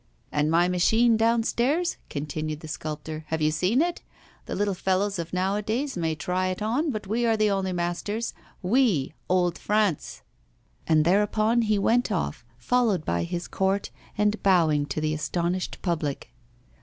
'And my machine downstairs?' continued the sculptor. 'Have you seen it? The little fellows of nowadays may try it on, but we are the only masters we, old France!' And thereupon he went off, followed by his court and bowing to the astonished public.